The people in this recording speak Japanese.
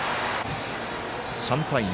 ３対２。